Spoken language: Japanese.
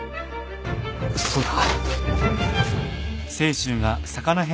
そうだ！